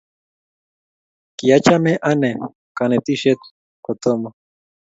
Kiachame ane kanetishet kotomo